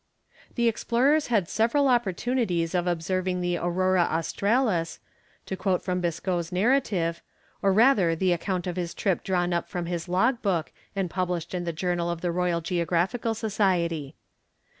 The explorers had several opportunities of observing the aurora australis, to quote from Biscoe's narrative, or rather the account of his trip drawn up from his log book, and published in the journal of the Royal Geographical Society.